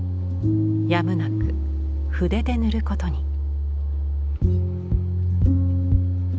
やむなく筆で塗ることに。